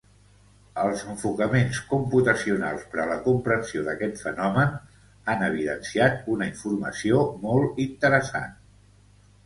Els enfocaments computacionals per a la comprensió d’aquest fenomen han evidenciat una informació molt interessant.